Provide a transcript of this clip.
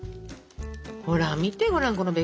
ほら見てごらんこのべっ甲色。